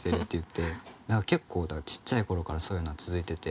結構だからちっちゃい頃からそういうのは続いてて。